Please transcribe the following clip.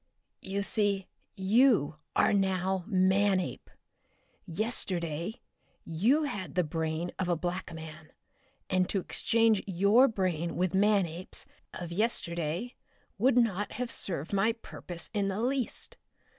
"You see, you are now Manape. Yesterday you had the brain of a black man, and to exchange your brain with Manape's of yesterday would not have served my purpose in the least.